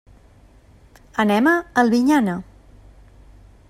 Anem a Albinyana.